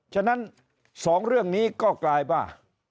ฉะนั้น๒เรื่องนี้ก็กลายว่า